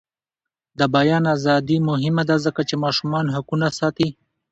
د بیان ازادي مهمه ده ځکه چې ماشومانو حقونه ساتي.